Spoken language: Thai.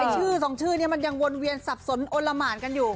ชื่อสองชื่อนี้มันยังวนเวียนสับสนอนละหมานกันอยู่